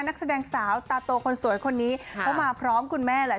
นักแสดงสาวตาโตคนสวยคนนี้เขามาพร้อมคุณแม่แหละ